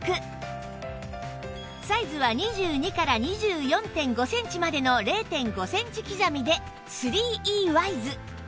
サイズは２２から ２４．５ センチまでの ０．５ センチ刻みで ３Ｅ ワイズ